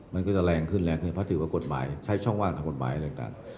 มันก็จะแรงขึ้นแรงขึ้นเพราะถือว่ากฎหมายใช้ช่องว่างทางกฎหมายอะไรต่าง